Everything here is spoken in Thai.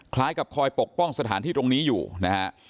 กับคอยปกป้องสถานที่ตรงนี้อยู่นะฮะ